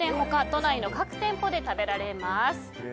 都内の各店舗で食べられます。